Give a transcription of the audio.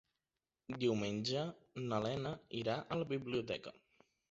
Diumenge na Lena irà a la biblioteca.